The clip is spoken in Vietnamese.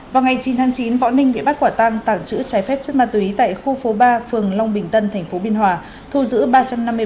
vào ngày chín tháng chín võ ninh bị bắt quả tăng tảng trữ trái phép chất ma túy tại khu phố ba phường long bình tân tp binh hòa thu giữ ba trăm năm mươi bảy viên thuốc lắc